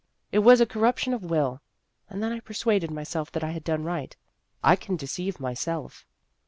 It was a corruption of will. And then I persuaded myself that I had done right. I can deceive myself."